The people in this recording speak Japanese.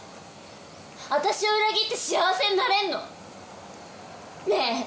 あたしを裏切って幸せになれんの⁉ねぇ？」